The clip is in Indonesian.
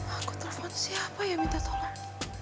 aku telepon siapa yang minta tolong